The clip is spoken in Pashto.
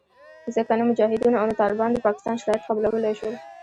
ځکه نه مجاهدینو او نه طالبانو د پاکستان شرایط قبلولې شول